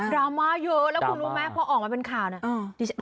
ราม่าเยอะแล้วคุณรู้ไหมพอออกมาเป็นข่าวเนี่ย